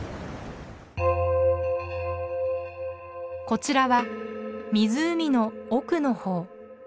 こちらは湖の奥の方。